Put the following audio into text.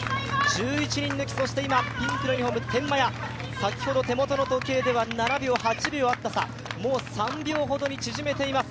１１人抜き、そして今、ピンクのユニフォーム天満屋、先ほど７秒、８秒あった差、もう３秒ほどに縮めています。